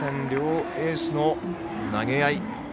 両エースの投げ合い。